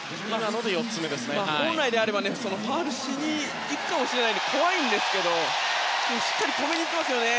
本来ならファウルしにいくかもしれないので怖いんですがしっかり止めに行ってますね。